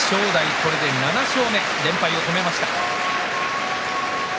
これで７勝目、連敗を止めました。